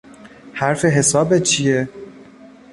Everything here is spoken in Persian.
حرف حسابت چیه؟